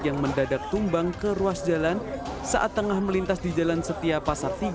yang mendadak tumbang ke ruas jalan saat tengah melintas di jalan setia pasar tiga